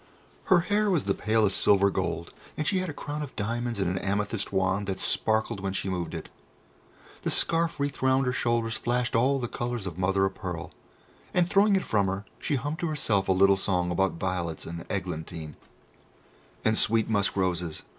Her hair was the palest silver gold, and she had a crown of diamonds and an amethyst wand that sparkled when she moved it. The scarf wreathed round her shoulders flashed all the colours of mother of pearl, and throwing it from her she hummed to herself a little song about violets and eglantine, and sweet musk roses.